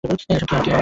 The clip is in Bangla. এসব কী আর ও কে?